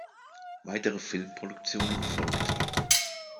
Weitere Filmproduktionen folgten.